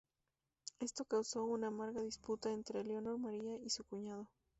Esto causó una amarga disputa entre Leonor María y su cuñado.